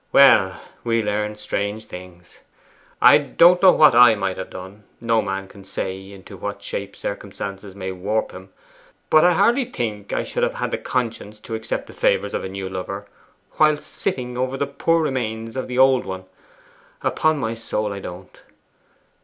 'Well, we learn strange things. I don't know what I might have done no man can say into what shape circumstances may warp him but I hardly think I should have had the conscience to accept the favours of a new lover whilst sitting over the poor remains of the old one; upon my soul, I don't.